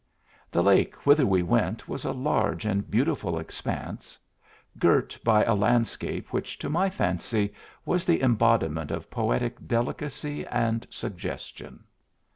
The lake whither we went was a large and beautiful expanse, girt by a landscape which to my fancy was the embodiment of poetic delicacy and suggestion.